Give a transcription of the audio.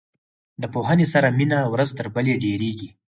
د پوهنې سره مینه ورځ تر بلې ډیریږي.